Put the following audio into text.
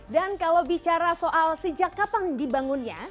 dan kalau bicara soal sejak kapan dibangunnya